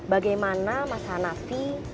bagaimana mas hanafi